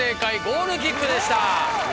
ゴールキックでした。